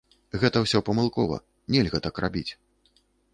Гэта ўсё памылкова, нельга так рабіць.